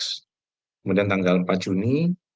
kemudian tanggal empat juni